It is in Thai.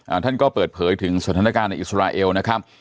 ท่านก็เปิดเผยถึงสถานการณ์ในอิสราเอลนะครับ